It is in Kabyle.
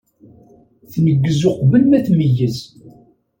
Tneggez uqbel ma tmeyyez.